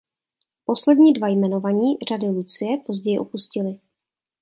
Poslední dva jmenovaní řady Lucie později opustili.